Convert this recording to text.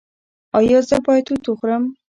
ایا زه باید توت وخورم؟